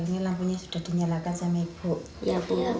ini lampunya sudah dinyalakan sama ibu